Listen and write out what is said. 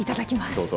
どうぞ。